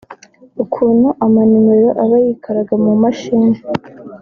ukuntu ama nimero aba yikaraga ku mashini